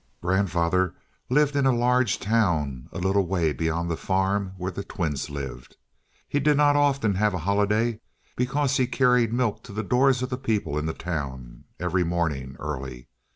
Grandfather lived in a large town, a little way beyond the farm where the twins lived. He did not often have a holiday, because he carried milk to the doors of the people in the town, every morning early.